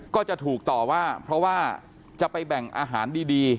ก็จะถูกต่อว่าเพราะว่าจะไปแบ่งอาหารดี